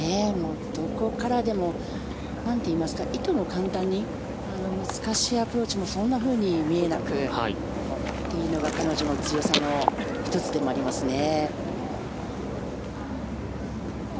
どこからでもなんと言いますか、いとも簡単に難しいアプローチもそんなふうに見えなくというのが彼女の強さの１つでもありますね。